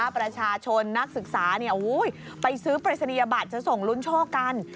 ประชาชนนักศึกษาไปซื้อปริศนียบัตรจะส่งลุ้นโชคกัน